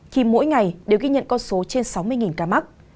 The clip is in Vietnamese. thì mỗi ngày đều ghi nhận con số trên sáu mươi ca mắc